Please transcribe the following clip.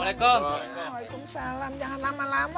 waalaikumsalam jangan lama lama